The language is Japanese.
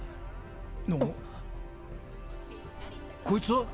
こいつは？